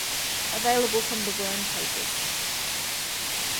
Available from the Wearne pages.